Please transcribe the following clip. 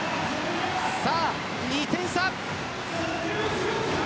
さあ２点差。